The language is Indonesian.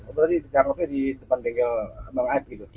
oh berarti ditangkapnya di depan bengkel abang ait gitu